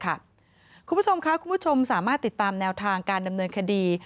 คุณผู้ชมค่ะคุณผู้ชมสามารถติดตามแนวทางการดำเนินคดี